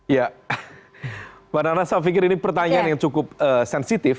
ya mbak nana saya pikir ini pertanyaan yang cukup sensitif